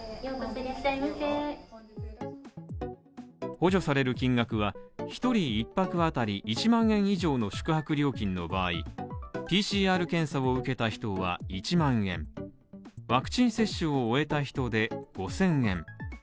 補助される金額は１人１泊当たり１万円以上の宿泊料金の場合、ＰＣＲ検査を受けた人は１万円、ワクチン接種を終えた人で５０００円。